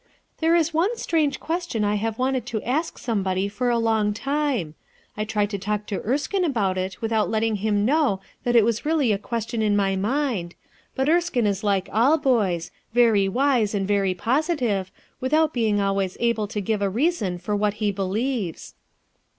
"There is one strange question T have wanted to ask of somebody for a long time. I tried to talk to Erskhe about it without letting him know that it was really a question in my mind ; but Erskine is like all boys, very wise and very positive, without being always able to give a reason for what he believes."